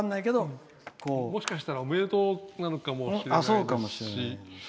もしかしたらおめでとうなのかもしれないし。